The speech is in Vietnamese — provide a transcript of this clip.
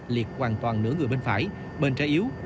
liệt hoàn toàn nửa người bên phải bên trái yếu